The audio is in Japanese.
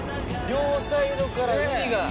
両サイドから海が！